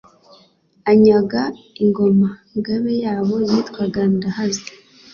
anyaga Ingoma–ngabe yabo yitwaga Ndahaze.